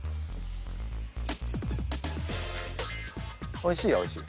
おいしいはおいしい？